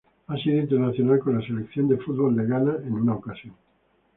Ha sido internacional con la Selección de fútbol de Ghana en una ocasión.